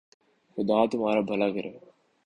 خدا تمہارر بھلا کرے